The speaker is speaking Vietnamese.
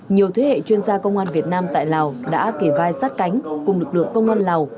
nhiều thế hệ chuyên gia công an việt nam tại lào đã kể vai sát cánh cùng lực lượng công an lào